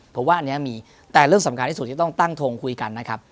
ผมว่าอันนี้มีแต่เรื่องสำคัญที่สุดที่ต้องตั้งทงคุยกันนะครับ